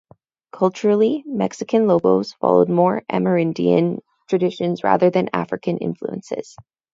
Culturally, Mexican "lobos" followed more Amerindian traditions rather than African influences.